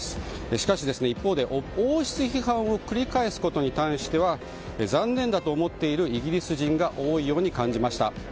しかし一方で、王室批判を繰り返すことについては残念だと思っているイギリス人が多いように感じました。